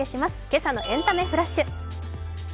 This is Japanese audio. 今朝のエンタメフラッシュ。